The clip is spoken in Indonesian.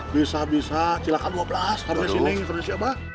bisa bisa silakan dua belas harganya si neng harganya si abah